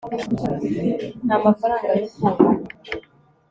nta mafaranga yo kubaka